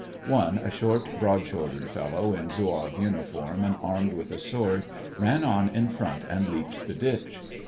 One, a short, broad shouldered fellow, in zouave uniform, and armed with a sword, ran on in front and leaped the ditch.